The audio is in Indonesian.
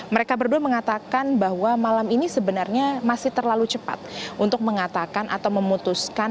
mereka berdua mengatakan bahwa malam ini sebenarnya masih terlalu cepat untuk mengatakan atau memutuskan